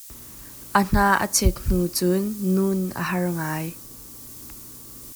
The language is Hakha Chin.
A hna a chet hnu cun nun aa harh ngai.